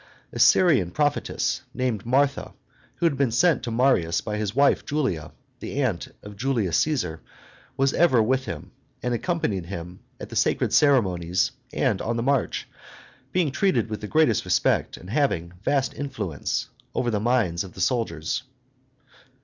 A Syrian prophetess, named Martha, who had been sent to Marius by his wife Julia, the aunt of Julius Caesar, was ever with him, and accompanied him at the sacred ceremonies and on the march, being treated with the greatest respect, and having vast influence over the minds of the soldiers.